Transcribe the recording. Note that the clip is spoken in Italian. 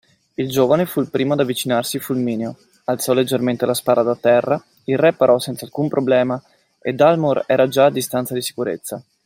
Il giovane fu il primo ad avvicinarsi fulmineo, alzò leggermente la spada da terra, il re parò senza alcun problema e Dalmor era già a distanza di sicurezza.